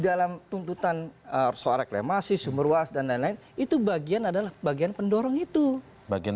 dalam tuntutan soal reklamasi sumber was dan lain lain itu bagian adalah bagian pendorong itu bagian